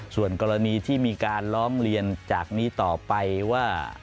ส่วนกรณีที่มีการร้องเรียนจากนี้ต่อไปว่า